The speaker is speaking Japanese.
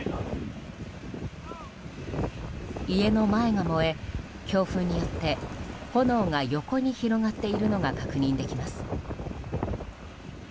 家の前が燃え、強風によって炎が横に広がっているのが確認できます。